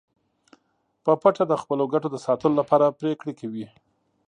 په پټه د خپلو ګټو د ساتلو لپاره پریکړې کوي